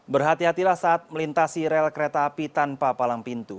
berhati hatilah saat melintasi rel kereta api tanpa palang pintu